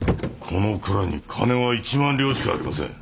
この蔵に金は１万両しかありません。